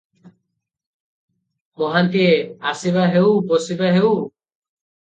ମହାନ୍ତିଏ- ଆସିବାହେଉ, ବସିବା ହେଉ ।